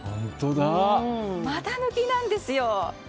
股抜きなんですよ。